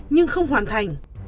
nhưng không hoàn thành